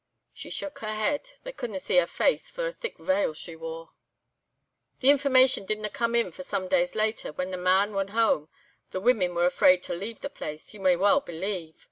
She shook her head; they couldna see her face for a thick veil she wore. "This information didna come in for some days later, when the man won hame; the women were afraid to leave the place, ye may weel believe.